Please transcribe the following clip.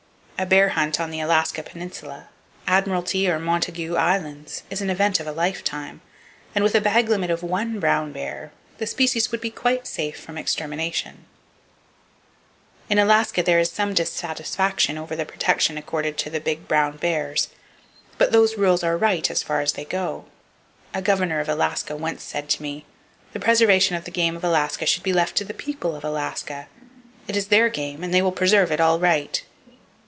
A bear hunt on the Alaska Peninsula, Admiralty or Montagu Islands, is an event of a lifetime, and with a bag limit of one brown bear, the species would be quite safe from extermination. THE WICHITA NATIONAL BISON HERD Presented by the New York Zoological Society In Alaska there is some dissatisfaction over the protection accorded the big brown bears; but those rules are right as far as they go! A governor of Alaska once said to me: "The preservation of the game of Alaska should be left to the people of Alaska. It is their game; and they will preserve it all right!"